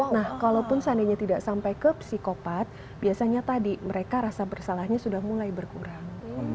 nah kalaupun seandainya tidak sampai ke psikopat biasanya tadi mereka rasa bersalahnya sudah mulai berkurang